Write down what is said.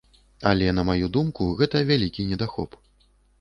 Але на маю думку, гэта вялікі недахоп.